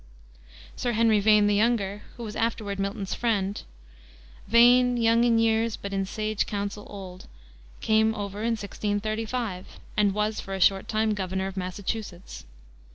Sir Henry Vane, the younger, who was afterward Milton's friend "Vane, young in years, but in sage counsel old" came over in 1635, and was for a short time Governor of Massachusetts.